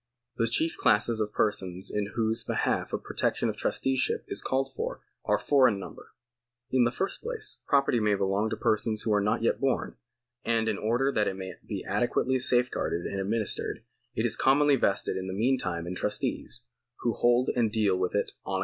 The chief classes of persons in whose behalf the protection of trusteeship is called for are four in number. In the first place, property may belong to persons who are not yet born ; and in order that it may be adequately safeguarded and administered, it is commonly vested in the meantime in trustees, who hold and deal with it on account of its unborn owners.